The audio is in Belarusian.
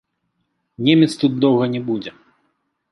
Немец тут доўга не будзе.